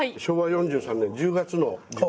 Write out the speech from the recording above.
昭和４３年１０月の。